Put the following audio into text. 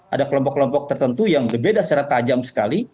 ada kelompok kelompok tertentu yang berbeda secara tajam sekali